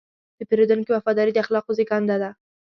د پیرودونکي وفاداري د اخلاقو زېږنده ده.